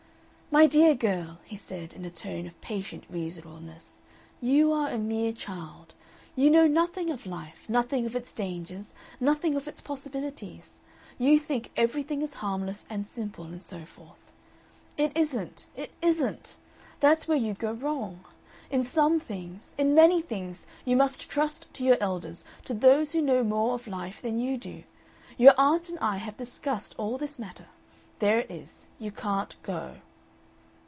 "My dear girl," he said, in a tone of patient reasonableness, "you are a mere child. You know nothing of life, nothing of its dangers, nothing of its possibilities. You think everything is harmless and simple, and so forth. It isn't. It isn't. That's where you go wrong. In some things, in many things, you must trust to your elders, to those who know more of life than you do. Your aunt and I have discussed all this matter. There it is. You can't go."